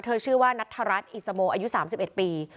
ชื่อว่านัทธรัฐอิสโมอายุ๓๑ปี